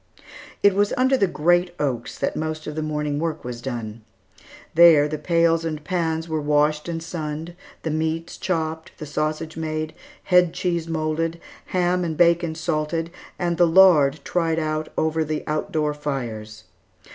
It was under the great oaks that most of the morning work was done. There the pails and pans were washed and sunned, the meats chopped, the sausage made, head cheese moulded, ham and bacon salted, and the lard tried out over the out door fires.